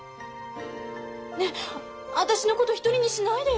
ねっ私のこと一人にしないでよ？